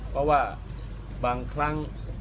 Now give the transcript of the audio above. เพราะว่าบางครั้ง